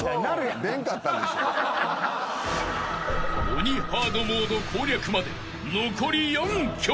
［鬼ハードモード攻略まで残り４曲］